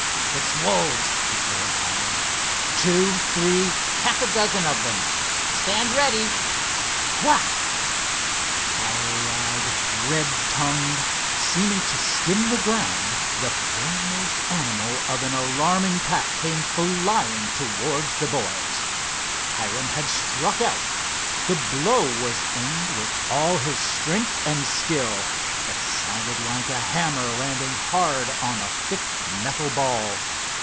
"It's wolves," declared Hiram—"two, three, half a dozen of them. Stand steady"—whack! Fiery eyed, red tongued, seeming to skim the ground, the foremost animal of an alarming pack came flying towards the boys. Hiram had struck out. The blow was aimed with all his strength and skill. It sounded like a hammer landing hard on a thick metal ball.